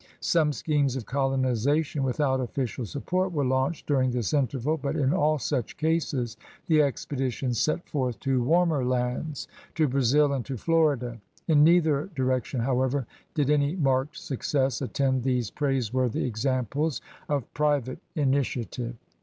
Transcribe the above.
Some schemes of colonization, without official sup port, were launched during this interval; but in all such cases the expeditions set forth to warmer A VOYAGEUR OP BRITTANY 81 lands, to Brazil and to Florida. In neither direc tion, however, did any marked success attend these praiseworthy examples of private initiative.